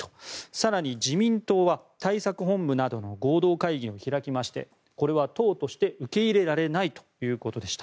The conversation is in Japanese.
更に自民党は対策本部などの合同会議を開きましてこれは党として受け入れられないということでした。